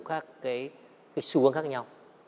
các cái xu hướng khác nhau